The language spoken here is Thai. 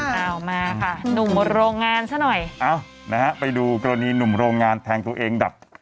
เอามาค่ะหนุ่มโรงงานซะหน่อยเอ้านะฮะไปดูกรณีหนุ่มโรงงานแทงตัวเองดับ